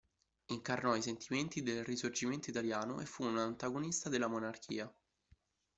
Incarnò i sentimenti del risorgimento italiano e fu un antagonista della monarchia.